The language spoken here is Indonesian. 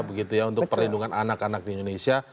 begitu ya untuk perlindungan anak anak di indonesia